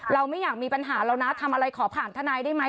เราไม่อยากมีปัญหาเรานะทำอะไรขอผ่านทนายได้ไหม